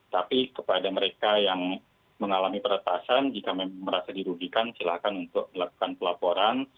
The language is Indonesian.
tapi kepada mereka yang mengalami peretasan jika merasa dirugikan silahkan untuk melakukan pelaporan